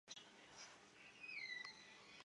民众开始对法律出现信任问题。